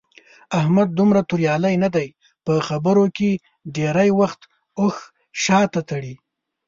احمد دومره توریالی نه دی. په خبرو کې ډېری وخت اوښ شاته تړي.